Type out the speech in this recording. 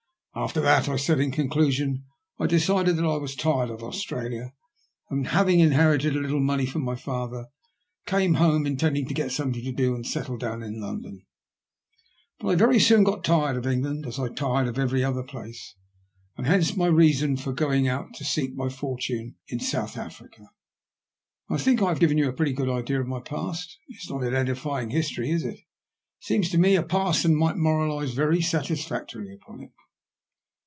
" After that," I said in conclusion, " I decided that I was tired of Australia, and, having inherited a little money from my father, came home, intending to get something to do and settle down in London. But I very soon tired of England, as I tired of every other place ; and hence my reason for going out to seek my fortune in South Africa. Now I think I have given you a pretty good idea of my past. It's not an edifying history, is it? It seems to me a parson might moralise very satisfactorily upon it."